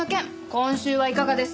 今週はいかがですか？